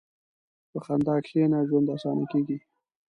په خندا کښېنه، ژوند اسانه کېږي.